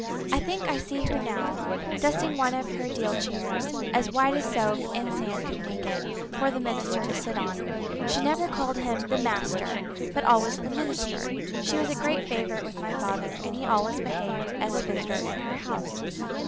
I think I see her now, dusting one of her deal chairs, as white as soap and sand could make it, for the minister to sit on. She never called him the master, but always the minister. She was a great favourite with my father, and he always behaved as a visitor in her house.